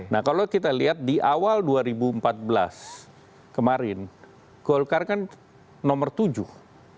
nah kalau kita lihat di awal dua ribu empat belas kemarin golkar kan nomor tujuh